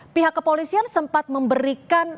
pihak kepolisian sempat memberikan